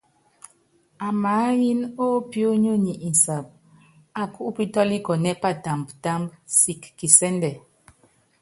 Amaáyɛ́n ópḭo̰nyonyi insab aká upítɔ́likɔ́nɛ́ patamb támb sik kisɛ́ndɛ.